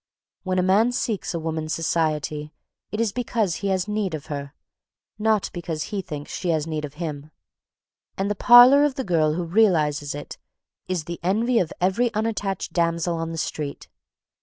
When a man seeks a woman's society it is because he has need of her, not because he thinks she has need of him; and the parlour of the girl who realises it, is the envy of every unattached damsel on the street.